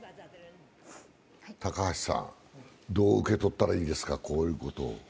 どう受け取ったらいいですか、こういうことを。